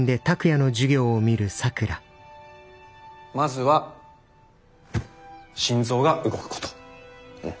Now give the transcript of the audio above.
まずは心臓が動くこと。